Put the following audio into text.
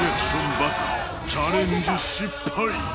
爆破チャレンジ失敗